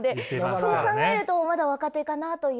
そう考えるとまだ若手かなという。